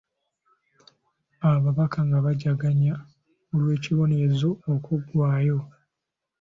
Ababaka nga bajaganya olw'ekibonerezo okugwaayo.